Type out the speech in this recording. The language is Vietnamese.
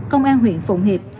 công an huyện phụng hiệp